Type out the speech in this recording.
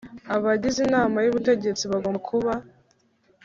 Abagize inama y ubutegetsi bagomba kuba